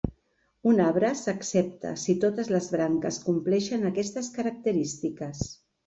Un arbre s'accepta si totes les branques compleixen aquestes característiques.